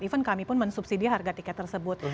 even kami pun mensubsidi harga tiket tersebut